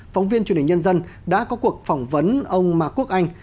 phóng viên truyền hình nhân dân đã có cuộc phỏng vấn ông ma quốc anh